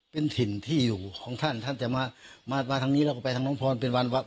เป็นถิ่นที่อยู่ของท่านท่านจะมามาทางนี้แล้วก็ไปทางน้องพรเป็นวัน